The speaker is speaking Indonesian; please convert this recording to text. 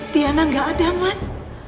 tiana gak ada mas